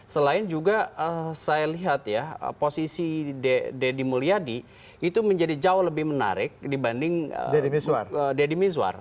selain juga saya lihat ya posisi deddy mulyadi itu menjadi jauh lebih menarik dibanding deddy mizwar